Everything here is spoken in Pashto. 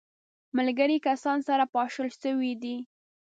ملګري کسان سره پاشل سوي دي.